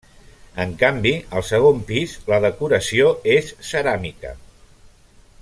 En canvi, al segon pis, la decoració és ceràmica.